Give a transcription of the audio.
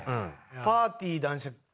パーティー男爵。